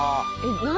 何？